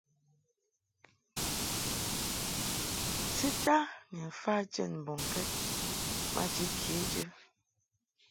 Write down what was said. Tita ni mfa jɛd mbɔŋkɛd maji kejɨ.